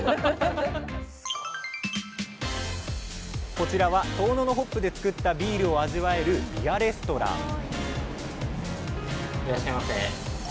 こちらは遠野のホップでつくったビールを味わえるビアレストランいらっしゃいませ。